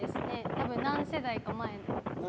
多分、何世代か前の。